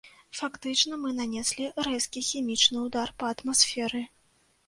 Фактычна мы нанеслі рэзкі хімічны ўдар па атмасферы.